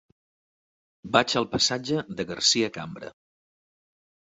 Vaig al passatge de Garcia Cambra.